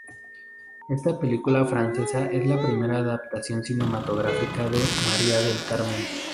Esta película francesa es la primera adaptación cinematográfica de "María del Carmen".